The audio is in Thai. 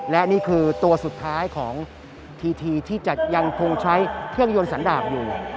และนี่คือตัวสุดท้ายของทีที่จะยังคงใช้เครื่องยนต์สันดาบอยู่